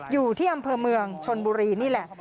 อยู่ที่อำเภอเมืองชนบุรีนี่แหละ